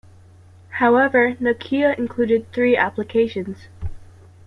However, Nokia included three applications.